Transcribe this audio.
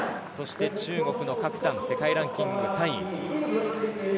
そして中国のカク・タン、世界ランキング３位。